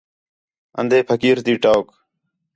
اندھے پھقیر تی ٹوک